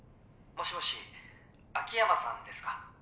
もしもし秋山さんですか。